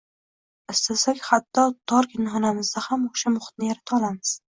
Istasak, hatto torgina xonamizda ham oʻsha muhitni yarata olamiz.